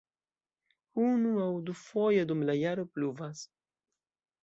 Unu- aŭ dufoje dum la jaro pluvas.